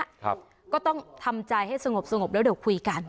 ครับก็ต้องทำใจให้สงบสงบแล้วเดี๋ยวคุยกัน